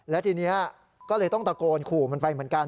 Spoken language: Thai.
และทีนี้ก็เลยต้องตะโกนขู่มันไปเหมือนกัน